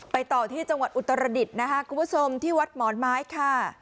ต่อที่จังหวัดอุตรดิษฐ์นะคะคุณผู้ชมที่วัดหมอนไม้ค่ะ